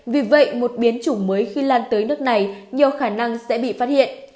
vì vậy một biến chủng mới khi lan tới nước này nhiều khả năng sẽ bị phát hiện